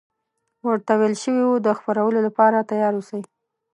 ورته ویل شوي وو د خپرولو لپاره تیار اوسي.